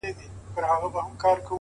سیاه پوسي ده ـ ماسوم یې ژاړي ـ